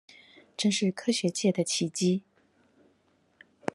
真是科學界的奇蹟